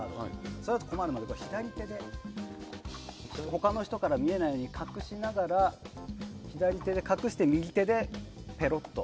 それだと困るので左手で他の人から見えないように隠しながら左手で隠して右手でペロッと。